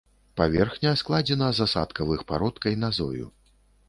Паверхня складзена з асадкавых парод кайназою.